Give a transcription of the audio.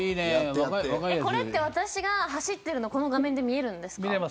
これって私が走ってるのこの画面で見られるんですか。